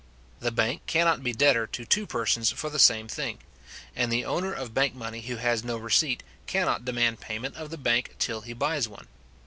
The bank cannot be debtor to two persons for the same thing; and the owner of bank money who has no receipt, cannot demand payment of the bank till he buys one.